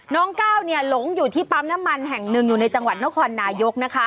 น้องก้าวหลงอยู่ที่ปั๊บน้ำมันแห่ง๑แต่อยู่ในจังหวัดพนโนยก